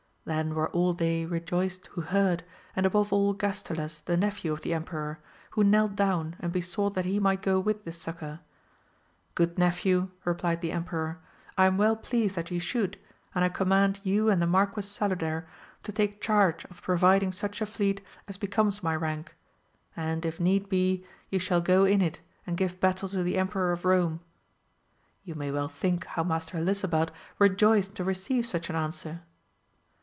Then were all they rejoiced who heard, and above all Gastiles the nephew of the Emperor, who knelt down and besought that he might go with the succour. Good nephew, replied the emperor, I am well pleased that you should, and I command you and the Marquis Saluder to take charge of providing such a fleet as becomes my rank, and if need be, ye shall go in it and give battle to the Emperor of Rome. You may well think how Master Helisabad rejoiced to receive such an answer.